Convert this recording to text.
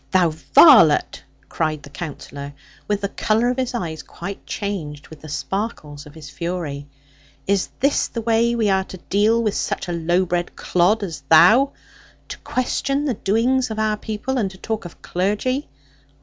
'Thou varlet,' cried the Counsellor, with the colour of his eyes quite changed with the sparkles of his fury; 'is this the way we are to deal with such a low bred clod as thou? To question the doings of our people, and to talk of clergy!